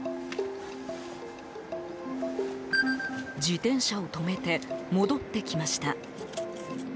自転車を止めて戻ってきました。